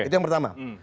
itu yang pertama